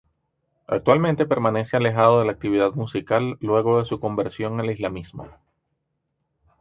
Actualmente permanece alejado de la actividad musical luego de su conversión al Islamismo.